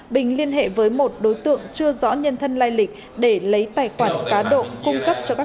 bình liên hệ với một đối tượng chưa rõ nhân thân lai lịch để lấy tài khoản cá độ cung cấp cho các